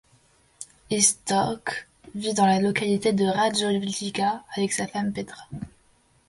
Iztok vit dans la localité de Radovljica avec sa femme Petra.